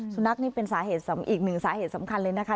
สุนัขนี่เป็นสาเหตุอีกหนึ่งสาเหตุสำคัญเลยนะคะ